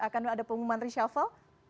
akan ada pengumuman reshuffle